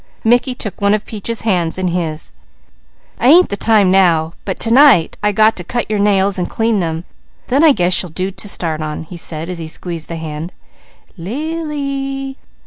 Mickey took one of Peaches' hands in his. "I ain't the time now, but to night I got to cut your nails and clean them, then I guess you'll do to start on," he said as he squeezed the hand. "Lily!